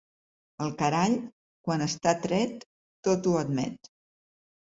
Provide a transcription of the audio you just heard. El carall, quan està tret, tot ho admet.